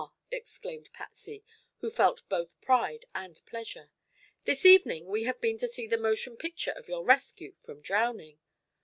exclaimed Patsy, who felt both pride and pleasure. "This evening we have been to see the motion picture of your rescue from drowning."